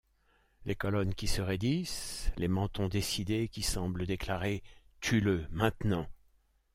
Les colonnes qui se raidissent, les mentons décidés qui semblent déclarer : tue-le maintenant.